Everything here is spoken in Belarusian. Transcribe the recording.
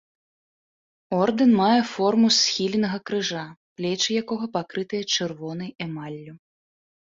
Ордэн мае форму схіленага крыжа, плечы якога пакрытыя чырвонай эмаллю.